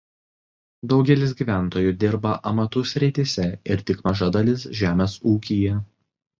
Daugelis gyventojų dirba amatų srityse ir tik maža dalis žemės ūkyje.